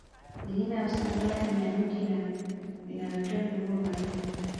milima ya usambara ina miti inayotoa viungo mbalimbali